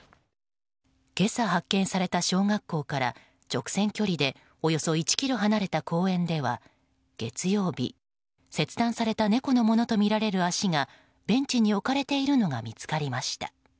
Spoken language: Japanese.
今朝発見された小学校から直線距離でおよそ１ｋｍ離れた公園では月曜日、切断された猫のものとみられる足がベンチに置かれているのが見つかりました。